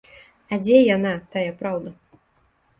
А дзе яна, тая праўда?